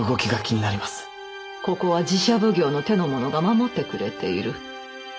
ここは寺社奉行の手の者が守ってくれている。